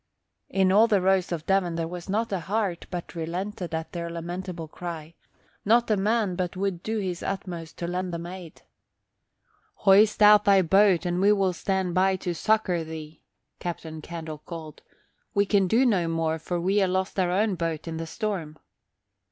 In all the Rose of Devon there was not a heart but relented at their lamentable cry, not a man but would do his utmost to lend them aid. "Hoist out thy boat and we will stand by to succour thee," Captain Candle called. "We can do no more, for we ha' lost our own boat in the storm."